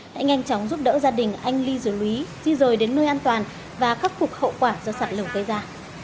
đã nhanh chóng giúp đỡ gia đình anh ly dưới lũy di rời đến nơi an toàn và khắc phục hậu quả do sạt lở gây ra